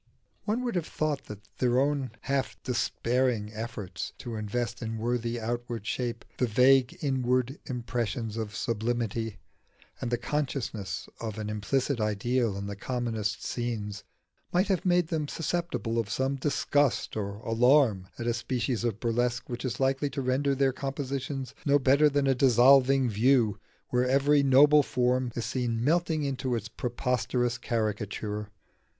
One would have thought that their own half despairing efforts to invest in worthy outward shape the vague inward impressions of sublimity, and the consciousness of an implicit ideal in the commonest scenes, might have made them susceptible of some disgust or alarm at a species of burlesque which is likely to render their compositions no better than a dissolving view, where every noble form is seen melting into its preposterous caricature.